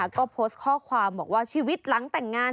ก็โพสต์ข้อความบอกว่าชีวิตหลังแต่งงาน